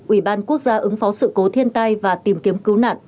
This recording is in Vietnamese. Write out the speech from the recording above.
ủy ban quốc gia ứng phó sự cố thiên tai và tìm kiếm cứu nạn